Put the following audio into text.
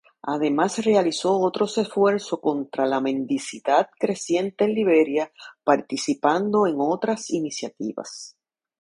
Además realizó otros esfuerzos contra la mendicidad creciente en Liberia, participando en otras iniciativas.